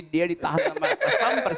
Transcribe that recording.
dia ditahan sama pas pampers